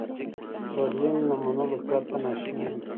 بدلون له منلو پرته ناشونی دی.